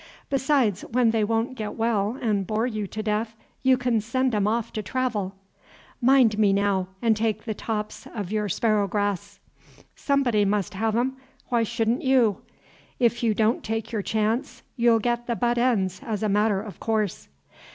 Besides, when they won't get well and bore you to death, you can send 'em off to travel. Mind me now, and take the tops of your sparrowgrass. Somebody must have 'em, why shouldn't you? If you don't take your chance, you'll get the butt ends as a matter of course."